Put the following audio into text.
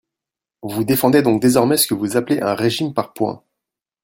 Vous défendez donc désormais ce que vous appelez un régime par points.